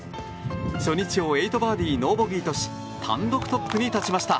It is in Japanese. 初日を８バーディー、ノーボギーとし単独トップに立ちました。